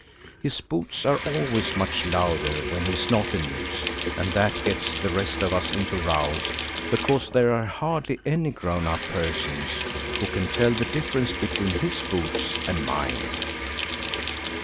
His boots are always much louder when he is not amused, and that gets the rest of us into rows, because there are hardly any grown up persons who can tell the difference between his boots and mine.